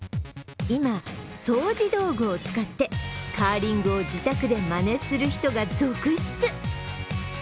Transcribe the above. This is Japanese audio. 今、掃除道具を使って、カーリングを自宅でまねする人が続出。